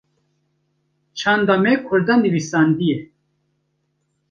çanda me Kurda nivîsandiye